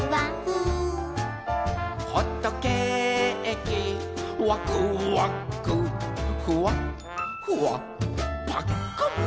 「ほっとけーきわくわくふわふわぱっくん！」